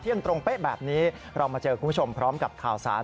ตรงเป๊ะแบบนี้เรามาเจอคุณผู้ชมพร้อมกับข่าวสาร